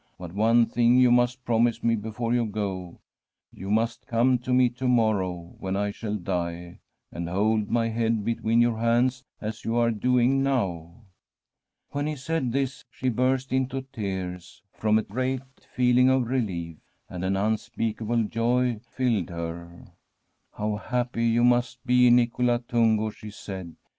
But one thing you must promise me before you go: you must come to me to morrow, when I shall die, and hold my head between your hands as you are doing now.' When he said this she burst into tears, from a freat feeling of relief, and an unspeakable joy lied her. ' How happy you must be, Nicola Tungo !' she said.